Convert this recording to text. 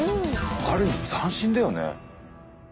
ある意味斬新だよね。